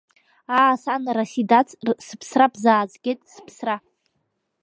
Аа, сан, Расидац, сыԥсра бзаазгеит, сыԥсра!